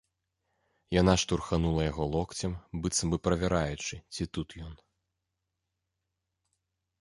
Яна штурханула яго локцем, быццам бы правяраючы, ці тут ён.